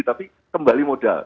tapi kembali modal